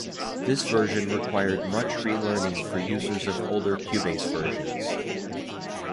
This version required much relearning for users of older Cubase versions.